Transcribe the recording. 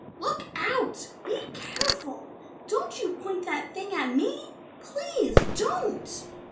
"Look out! Be careful! Don't you point that thing at me! Please don't!"